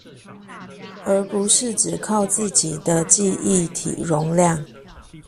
而不是只靠自己的記憶體容量